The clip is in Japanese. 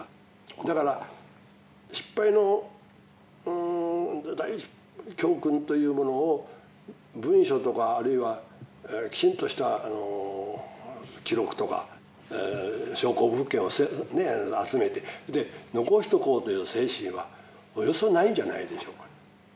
だから失敗の教訓というものを文書とかあるいはきちんとした記録とか証拠物件を集めて残しておこうという精神はおよそないんじゃないでしょうか。